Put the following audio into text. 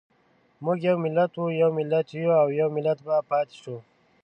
موږ یو ملت وو، یو ملت یو او يو ملت به پاتې شو.